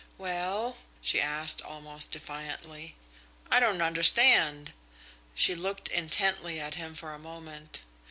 "Well?" she asked, almost defiantly. "I don't understand." She looked intently at him for a moment.